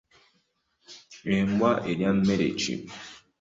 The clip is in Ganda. Embwa erya mmere ki?